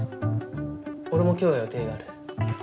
俺も今日は予定がある。